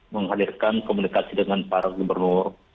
menghadirkan komunikasi dengan para gubernur